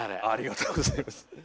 ありがとうございます。